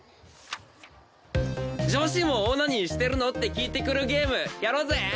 女子もオナニーしてるの？って聞いてくるゲームやろうぜ！